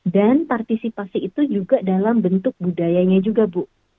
dan partisipasi itu juga dalam bentuk budayanya juga ibu